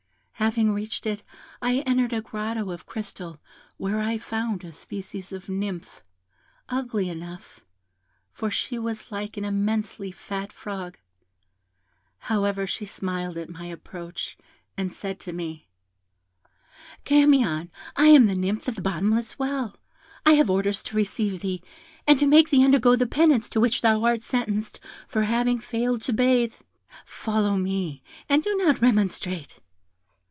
Having reached it, I entered a grotto of crystal, where I found a species of Nymph, ugly enough, for she was like an immensely fat frog. However, she smiled at my approach, and said to me 'Camion, I am the Nymph of the Bottomless Well; I have orders to receive thee, and to make thee undergo the penance to which thou art sentenced for having failed to bathe; follow me, and do not remonstrate.'